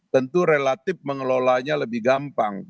tentu relatif mengelolanya lebih gampang